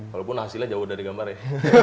walaupun hasilnya jauh dari gambarnya